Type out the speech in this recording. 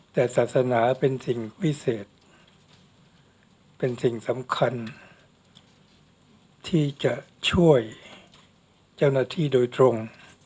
แต่ศาสนาเป็นสิ่งพิเศษเป็นสิ่งสำคัญที่จะช่วยเจ้าหน้าที่โดยตรง